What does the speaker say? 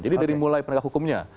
jadi dari mulai pendidikan hukumnya